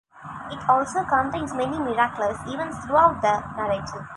It also contains many miraculous events throughout the narrative.